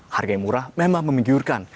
harga yang murah memang menggiurkan